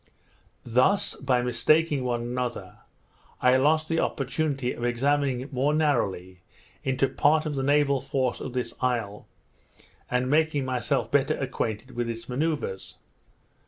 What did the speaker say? Thus, by mistaking one another, I lost the opportunity of examining more narrowly into part of the naval force of this isle, and making myself better acquainted with its manoeuvres.